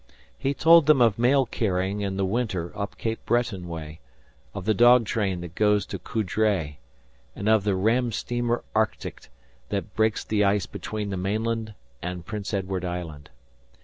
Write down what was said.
He told them of mail carrying in the winter up Cape Breton way, of the dog train that goes to Coudray, and of the ram steamer Arctic, that breaks the ice between the mainland and Prince Edward Island.